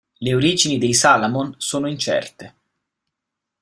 Le origini dei Salamon sono incerte.